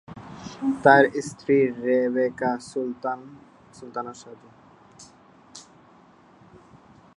তার স্ত্রী রেবেকা সুলতানা সাজু।